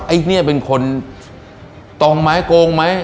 ไอ้เนี่ยเป็นคนตองไม้โกงไหม